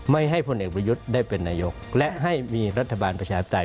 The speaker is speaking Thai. ไม่ให้พลเอกประยุทธ์ได้เป็นนายกและให้มีรัฐบาลประชาธิปไตย